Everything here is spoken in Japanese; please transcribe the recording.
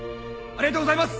ありがとうございます！